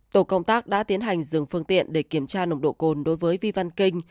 tổ công tác đã tiến hành dừng phương tiện để kiểm tra nồng độ cồn đối với vi văn kinh